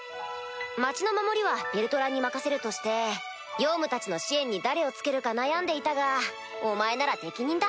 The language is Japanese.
町の守りはヴェルドラに任せるとしてヨウムたちの支援に誰をつけるか悩んでいたがお前なら適任だ。